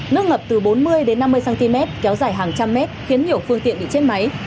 nước ngập từ bốn mươi năm mươi cm kéo dài hàng trăm mét khiến nhiều phương tiện bị chết máy